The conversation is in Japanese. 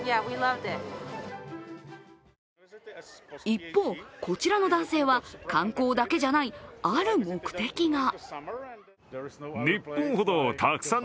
一方、こちらの男性は観光だけじゃない、ある目的が。